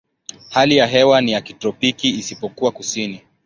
Hali ya hewa ni ya kitropiki isipokuwa kusini.